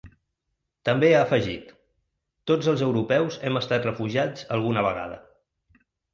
També ha afegit: ‘Tots els europeus hem estat refugiats alguna vegada’.